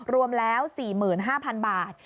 รวมแล้ว๔๕๐๐๐บาท